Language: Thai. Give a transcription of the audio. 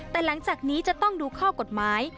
แต่หลังจากนี้จะต้องดูข้อกฎหมาย